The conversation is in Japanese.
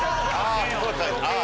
ああ。